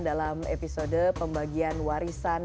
dalam episode pembagian warisan